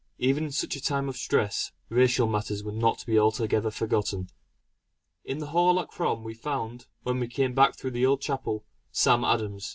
Even in such a time of stress, racial matters were not to be altogether forgotten. In the hall at Crom, we found, when we came back through the old chapel, Sam Adams.